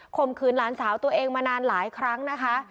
มขืนหลานสาวตัวเองมานานหลายครั้งนะคะ